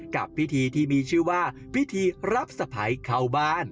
กับพิธีที่มีชื่อว่าพิธีรับสะพัยเข้าบ้าน